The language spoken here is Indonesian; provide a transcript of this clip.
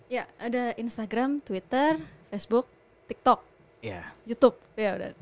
ya ada instagram twitter facebook tiktok youtube